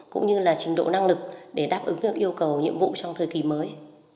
cũng như là trình độ năng lực để đáp ứng được yêu cầu nhiệm vụ trong thời kỳ mới